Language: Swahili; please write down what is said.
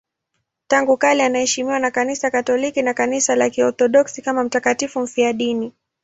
Tangu kale anaheshimiwa na Kanisa Katoliki na Kanisa la Kiorthodoksi kama mtakatifu mfiadini.